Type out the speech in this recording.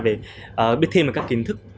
kiểm tra về biết thêm về các kiến thức